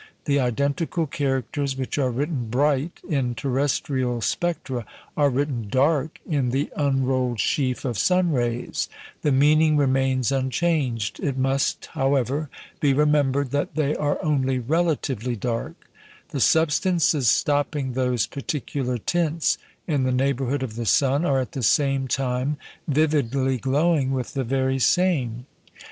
The identical characters which are written bright in terrestrial spectra are written dark in the unrolled sheaf of sun rays; the meaning remains unchanged. It must, however, be remembered that they are only relatively dark. The substances stopping those particular tints in the neighbourhood of the sun are at the same time vividly glowing with the very same.